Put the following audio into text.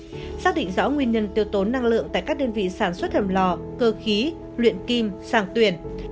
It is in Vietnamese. xác định rõ nguyên nhân tiêu tốn năng lượng tại các đơn vị sản xuất hầm lò cơ khí luyện kim sàng tuyển